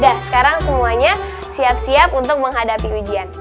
enggak sekarang semuanya siap siap untuk menghadapi ujian